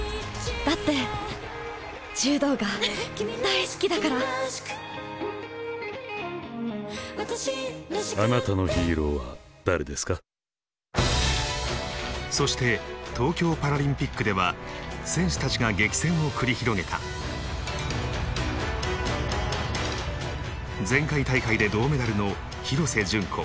だって柔道が大好きだからそして東京パラリンピックでは選手たちが激戦を繰り広げた前回大会で銅メダルの廣瀬順子。